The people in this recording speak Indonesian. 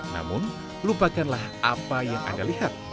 namun lupakanlah apa yang anda lihat